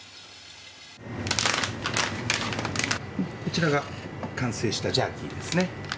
こちらが完成したジャーキーですね。